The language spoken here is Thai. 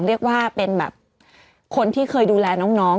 เรียกว่าเป็นแบบคนที่เคยดูแลน้อง